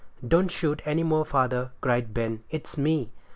"Don't shoot any more, father," cried Ben; "it's me."